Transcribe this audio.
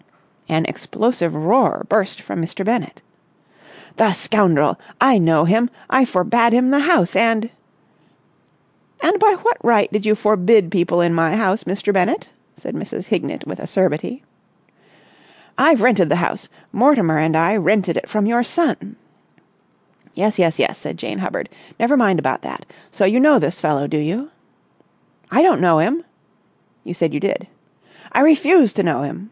An explosive roar burst from Mr. Bennett. "The scoundrel! I know him! I forbade him the house, and...." "And by what right did you forbid people my house, Mr. Bennett?" said Mrs. Hignett with acerbity. "I've rented the house, Mortimer and I rented it from your son...." "Yes, yes, yes," said Jane Hubbard. "Never mind about that. So you know this fellow, do you?" "I don't know him!" "You said you did." "I refuse to know him!"